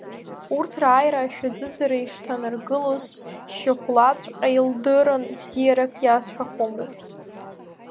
Урҭ рааира ашәаӡыӡара ишҭанаргылоз шьахәлаҵәҟьа илдыруан, бзиарак иазҳәахомызт.